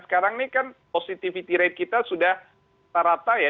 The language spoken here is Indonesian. sekarang ini kan positivity rate kita sudah rata ya